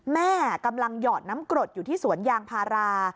แม่กำลังหยอดน้ำกรดอยู่ที่สวนยางพารา